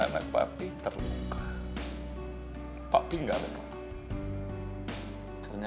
lama lama hal independen